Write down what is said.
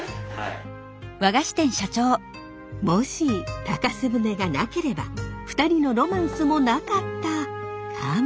もし高瀬舟がなければ２人のロマンスもなかったかも？